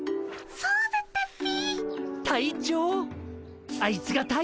そうだったっピィ。